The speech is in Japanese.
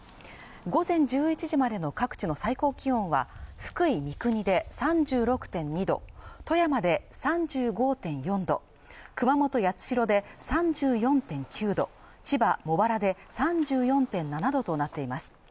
午前１１時までの各地の最高気温は福井・三国で３６．２度富山で３５．４度熊本八代で３４．９度千葉茂原で３４．７度となっています